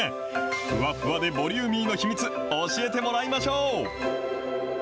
ふわふわでボリューミーの秘密、教えてもらいましょう。